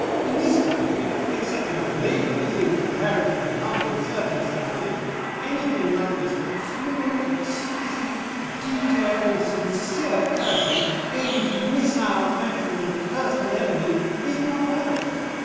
In this country, except among ladies in comparatively humble circumstances, anything like this fluent, explicit, detailed, and sincere cursing, aimed, missile fashion, at a personal enemy, is not found.